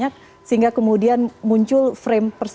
maksud saya katakan waterfall punk